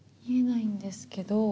見えないんですけど。